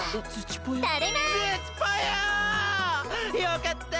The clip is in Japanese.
よかった！